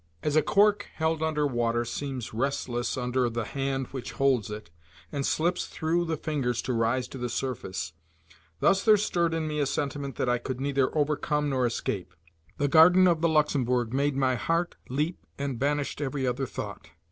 As a cork held under water seems restless under the hand which holds it, and slips through the fingers to rise to the surface, thus there stirred in me a sentiment that I could neither overcome nor escape. The garden of the Luxembourg made my heart leap and banished every other thought.